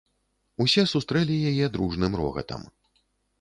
Усе сустрэлі яе дружным рогатам.